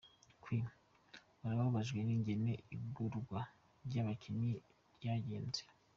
Q: Urababajwe n'ingene igurwa ry'abakinyi ryagenze? .